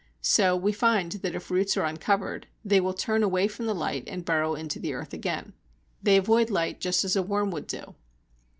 So we find that if roots are uncovered, they will turn away from the light and burrow into the earth again. They avoid light just as a worm would do.